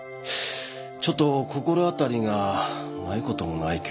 ちょっと心当たりがないこともないけど